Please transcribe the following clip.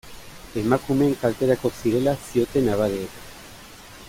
Emakumeen kalterako zirela zioten abadeek.